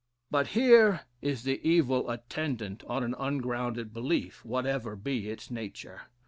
But here is the evil attendant on an ungrounded belief, whatever be its nature.